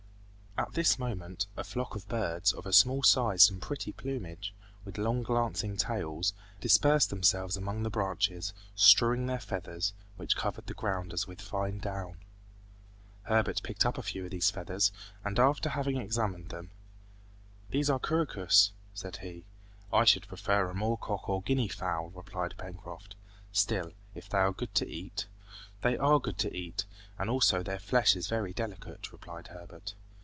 At this moment a flock of birds, of a small size and pretty plumage, with long glancing tails, dispersed themselves among the branches strewing their feathers, which covered the ground as with fine down. Herbert picked up a few of these feathers, and after having examined them, "These are couroucous," said he. "I should prefer a moor cock or guinea fowl," replied Pencroft, "still, if they are good to eat " "They are good to eat, and also their flesh is very delicate," replied Herbert.